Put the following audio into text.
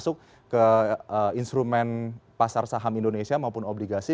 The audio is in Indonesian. masuk ke instrumen pasar saham indonesia maupun obligasi